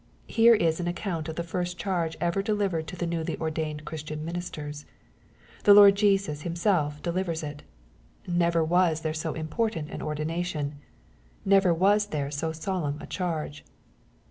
— Here is an account of the first charge ever delivered to newly ordained Christian minis* ters. The Lord Jesus Himself delivers it. — Never waa MATTHEW, CHAP. Z. 95 there so important an ordination. Never was there so solemn a charge